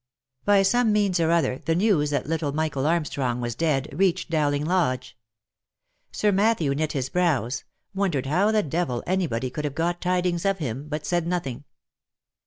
By some means or other, the news that little Michael Armstrong was dead, reached Dowling Lodge. Sir Matthew knit his brows — won dered how the devil any body could have got tidings of him, but said nothing.